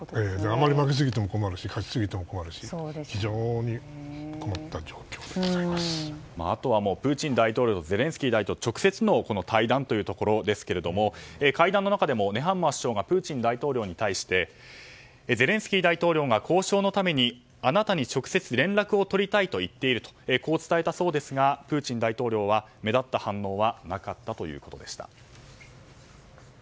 あまり負けすぎても勝ちすぎても困るしあとはプーチン大統領とゼレンスキー大統領直接の対談というところですが会談の中でもネハンマー首相がプーチン大統領に対してゼレンスキー大統領が交渉のためにあなたに直接連絡を取りたいと言っているとこう伝えたそうですがプーチン大統領は目立った反応はなかったということでした。